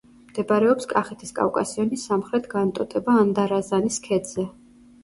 მდებარეობს კახეთის კავკასიონის სამხრეთ განტოტება ანდარაზანის ქედზე.